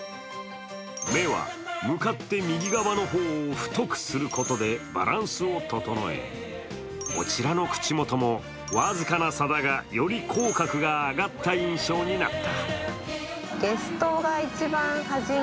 目は、向かって右側の方を太くすることでバランスを整え、こちらの口元も僅かな差だが、より口角が上がった印象になった。